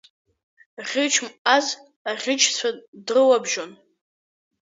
Ӷьыч-Мҟаз аӷьычцәа дрылабжьон.